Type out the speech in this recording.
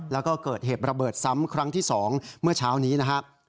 แล้วก็เกิดเหตุระเบิดซ้ำครั้งที่๒เมื่อเช้านี้นะครับ